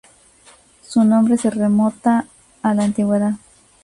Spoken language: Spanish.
Su nombre se remonta a la antigüedad.